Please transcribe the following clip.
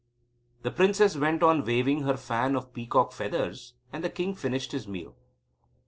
The princess went on waving her fan of peacock feathers, and the king finished his meal.